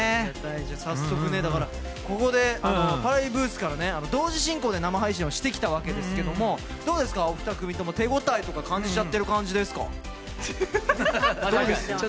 早速、Ｐａｒａｖｉブースから同時進行で生放送をしてきたわけなんですけれども、お二組とも、手応えとか感じちゃってるかんじですか？